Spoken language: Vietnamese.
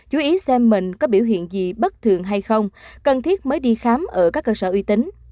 chú ý xem mình có biểu hiện gì bất thường hay không cần thiết mới đi khám ở các cơ sở uy tín